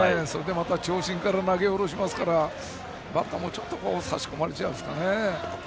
また長身から投げ下ろしますからバッターも差し込まれちゃいますかね。